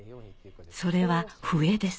それは笛です